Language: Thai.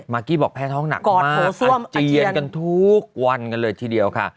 กี้บอกแพ้ท้องหนักมากอาเจียนกันทุกวันกันเลยทีเดียวค่ะ